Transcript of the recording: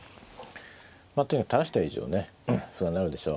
まあとにかく垂らした以上ね歩は成るでしょう。